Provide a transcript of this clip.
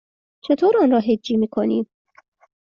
چطور آن را هجی می کنی؟